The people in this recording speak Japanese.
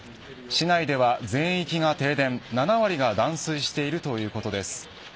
市内では全域が停電７割が断水しているということです。